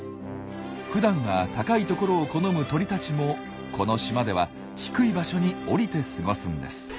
ふだんは高い所を好む鳥たちもこの島では低い場所に降りて過ごすんです。